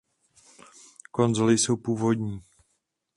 Konzoly jsou původní.